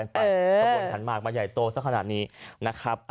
ก็มันสั่นมากมาใหญ่โตซะขนาดนี้นะครับ